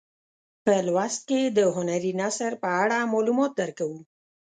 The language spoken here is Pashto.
په لوست کې د هنري نثر په اړه معلومات درکوو.